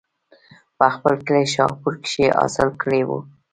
پۀ خپل کلي شاهپور کښې حاصل کړے وو